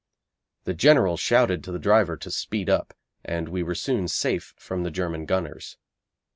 The General shouted to the driver to speed up, and we were soon safe from the German gunners.